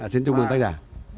xin chúc mừng tác giả